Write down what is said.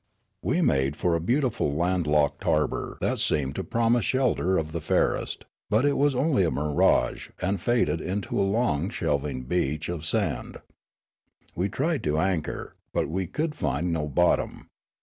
We made for a beautiful landlocked harbour that seemed to promise shelter of the fairest ; but it was only a mirage and faded into a long shelving beach of 22 Landing 23 sand. We tried to anchor, but we could find no bot tom.